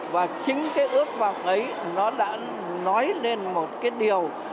và chính cái ước vọng ấy nó đã nói lên một cái điều